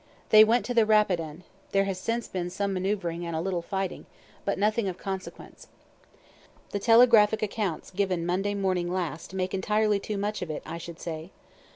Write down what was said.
They went to the Rapidan; there has since been some manoeuvering and a little fighting, but nothing of consequence. The telegraphic accounts given Monday morning last, make entirely too much of it, I should say.